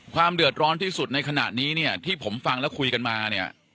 ความเดือดร้อนที่สุดในขณะนี้เนี่ยที่ผมฟังแล้วคุยกันมาเนี่ย